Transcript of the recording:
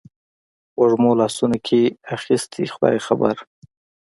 وږمو لاسونو کې اخیستي خدای خبر